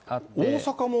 大阪も？